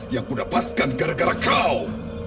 yang ku dapatkan gara gara kau